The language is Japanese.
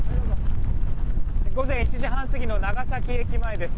午前１時半過ぎの長崎駅前です。